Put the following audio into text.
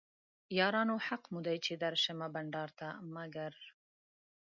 یارانو حق مو دی چې درشمه بنډار ته مګر